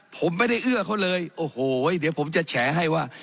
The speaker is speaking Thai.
ผมไม่ได้เอื้อเขาเลยโอ้โหเดี๋ยวผมจะแฉให้ว่า